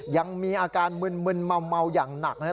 ยังมีอาการมึนเมาอย่างหนักนะครับ